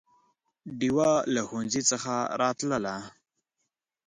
ډېوه له ښوونځي څخه راتلله